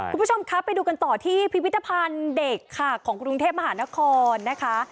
คุณผู้ชมครับไปดูกันต่อที่พิพิธภัณฑ์เด็กค่ะของกรุงเทพมหานครนะคะ